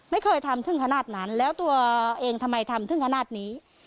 ไม่เคยทำถึงขนาดนั้นแล้วตัวเองทำไมทำถึงขนาดนี้